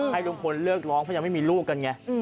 ให้ลุงพลเลิกร้องเพราะยังไม่มีลูกกันไง